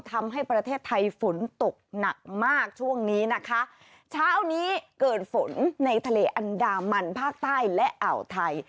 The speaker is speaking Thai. ทำให้ประเทศไทยฝนตกหนักมากช่วงนี้นะคะเช้านี้เกิดฝนในทะเลอันดามันภาคใต้และอ่าวไทย